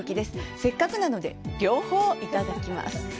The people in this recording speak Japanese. せっかくなので両方いただきます。